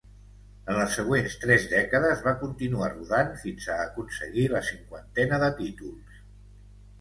En les següents tres dècades va continuar rodant fins a aconseguir la cinquantena de títols.